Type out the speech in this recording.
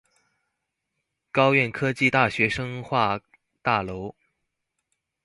高苑科技大學生化大樓